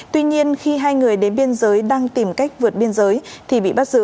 tuy nhiên khi hai người đến biên giới đang tìm cách vượt biên giới